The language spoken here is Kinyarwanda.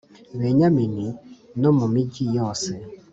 Benyamini no mu migi yose